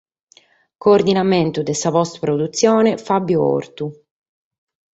Coordinamentu de sa post produtzione Fabio Ortu.